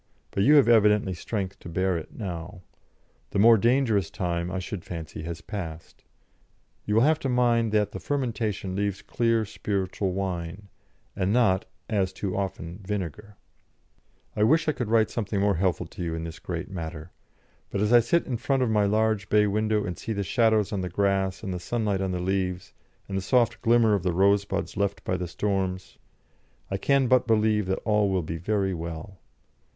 But you have evidently strength to bear it now. The more dangerous time, I should fancy, has passed. You will have to mind that the fermentation leaves clear spiritual wine, and not (as too often) vinegar. I wish I could write something more helpful to you in this great matter. But as I sit in front of my large bay window and see the shadows on the grass and the sunlight on the leaves, and the soft glimmer of the rosebuds left by the storms, I can but believe that all will be very well.